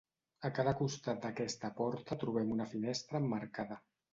A cada costat d'aquesta porta trobem una finestra emmarcada.